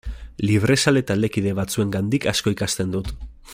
Librezale taldekide batzuengandik asko ikasten dut.